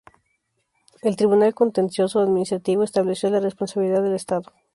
El Tribunal Contencioso Administrativo estableció la responsabilidad del Estado.